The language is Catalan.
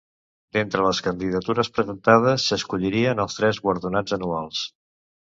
D'entre les candidatures presentades s'escollirien els tres guardonats anuals.